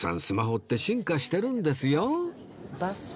スマホって進化してるんですよ